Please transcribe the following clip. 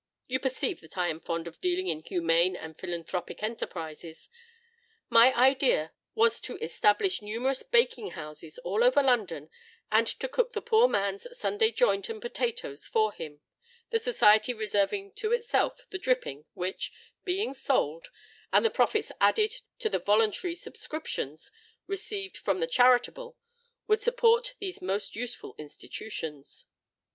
You perceive that I am fond of dealing in humane and philanthropic enterprises. My idea was to establish numerous baking houses all over London, and to cook the poor man's Sunday joint and potatoes for him, the Society reserving to itself the dripping, which being sold, and the profits added to the voluntary subscriptions received from the charitable, would support these most useful institutions.